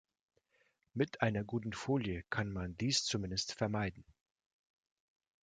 Mit einer guten Folie kann man dies zumindest vermeiden.